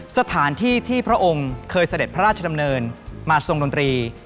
สถานที่ที่พระองค์เคยเสด็จพระราชดำเนินมาทรงดนตรี